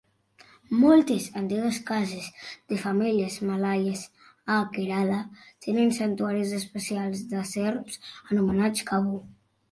Moltes antigues cases de famílies malaies a Kerala tenen santuaris especials de serps anomenats "Kavu".